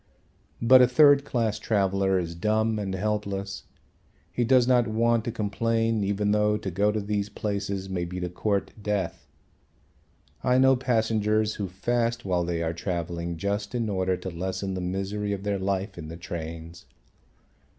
But a third class traveller is dumb and helpless. He does not want to complain even though to go to these places may be to court death. I know passengers who fast while they are travelling just in order to lessen the misery of their life in the trains.